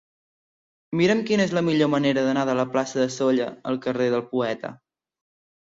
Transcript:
Mira'm quina és la millor manera d'anar de la plaça de Sóller al carrer del Poeta.